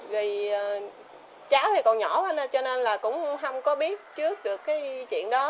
vì cháu thì còn nhỏ cho nên là cũng không có biết trước được cái chuyện đó